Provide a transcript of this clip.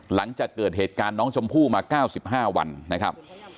หลังจากเกิดเหตุการณ์น้องชมพู่มา๙๕วันนะครับ